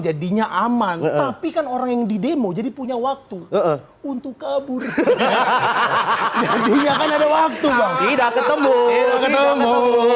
jadinya aman tapi kan orang yang di demo jadi punya waktu untuk kabur hahaha tidak ketemu